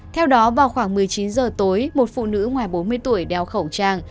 theo đó vào khoảng một mươi chín h tối một phụ nữ ngoài bốn mươi tuổi đeo khẩu trang